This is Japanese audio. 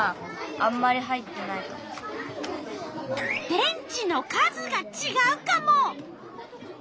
電池の数がちがうカモ！